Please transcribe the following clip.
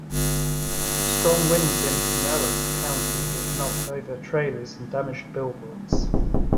Strong winds in Pinellas County knocked over trailers and damaged billboards.